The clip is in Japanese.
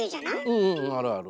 うんうんあるある。